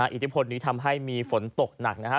อิทธิพลนี้ทำให้มีฝนตกหนักนะฮะ